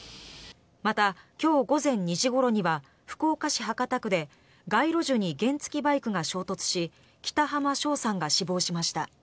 また、今日午前２時ごろには福岡市博多区で街路樹に原付きバイクが衝突し北浜翔さんが死亡しました。